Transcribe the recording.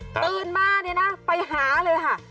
ตื่นมาเนี่ยนะไปหาเลยค่ะ